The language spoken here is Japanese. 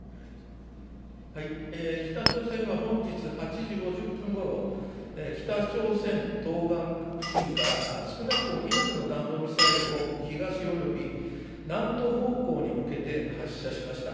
北朝鮮は本日８時５０分ごろ北朝鮮東岸付近から少なくとも２発の弾道ミサイルを東および南東方向に向けて発射しました。